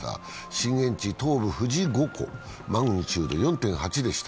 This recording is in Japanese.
震源地は東部・富士五湖で、マグニチュードは４．８でした。